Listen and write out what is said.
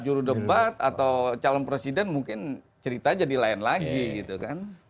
jurudebat atau calon presiden mungkin cerita jadi lain lagi gitu kan